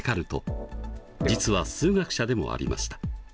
実は数学者でもありました。